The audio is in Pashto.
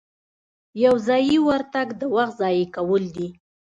یو ځایي ورتګ د وخت ضایع کول دي.